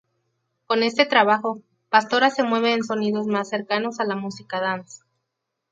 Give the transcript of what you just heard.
Con este trabajo, Pastora se mueve en sonidos más cercanos a la música dance.